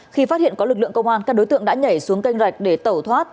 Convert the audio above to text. khi phát hiện có lực lượng công an các đối tượng đã nhảy xuống canh rạch để tẩu thoát